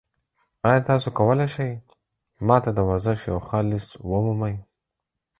ایا تاسو کولی شئ ما ته د ورزش یو ښه لیست ومومئ؟